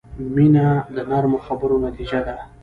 • مینه د نرمو خبرو نتیجه ده.